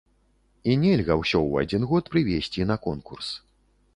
І нельга ўсё ў адзін год прывезці на конкурс.